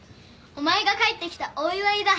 お前が帰ってきたお祝いだ。